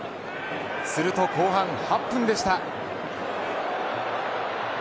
すると後半８分でした。